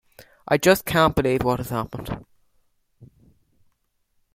I just can't believe what has happened.